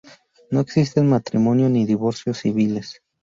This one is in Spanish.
No existen matrimonio ni divorcio civiles.